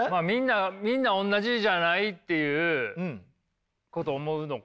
みんな同じじゃないっていうことを思うのか。